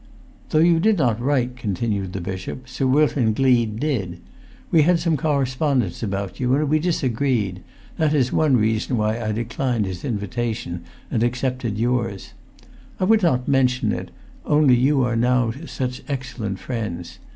"Though you did not write," continued the bishop, "Sir Wilton Gleed did. We had some correspondence about you, and we disagreed; that is one reason why I declined his invitation and accepted yours. I[Pg 381] would not mention it, only you are now such excellent friends.